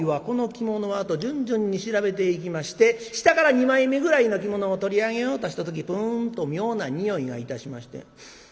「この着物は？」と順々に調べていきまして下から２枚目ぐらいの着物を取り上げようとした時プンと妙な臭いがいたしまして。